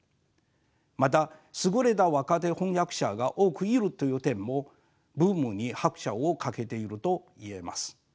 また優れた若手翻訳者が多くいるという点もブームに拍車をかけていると言えます。